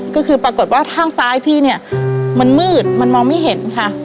ก็คือปรากฏว่าข้างซ้ายพี่เนี่ยมันมืดมันมองไม่เห็นค่ะ